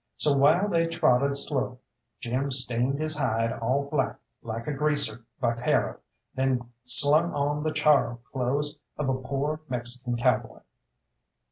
So while they trotted slow Jim stained his hide all black like a greaser vaquero, then slung on the charro clothes of a poor Mexican cowboy.